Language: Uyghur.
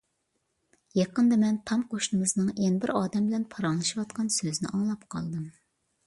يېقىندا مەن تام قوشنىمىزنىڭ يەنە بىر ئادەم بىلەن پاراڭلىشىۋاتقان سۆزىنى ئاڭلاپ قالدىم.